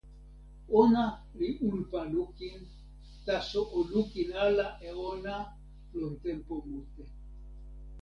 ona li unpa lukin. taso, o lukin ala e ona lon tenpo mute.